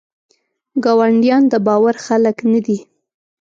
ګاونډیان دباور خلګ نه دي.